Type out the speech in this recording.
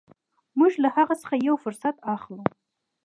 موږ له هغه څخه یو فرصت اخلو.